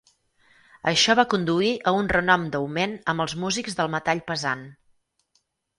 Això va conduir a un renom d'augment amb els músics del metall pesant.